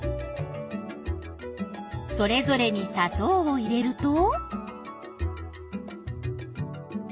それぞれにさとうを入れると？